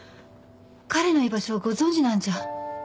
彼の居場所をご存じなんじゃ。